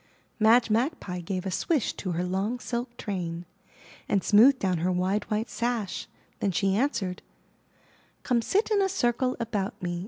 *' Madge Magpie gave a swish to her long silk train, and smoothed down her wide white sash; then she answered: '*Come sit in a circle about me.